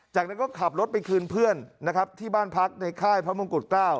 จากนั้นก็ขับรถไปคืนเพื่อนนะครับที่บ้านพักในค่ายพระมงกุฎเกล้า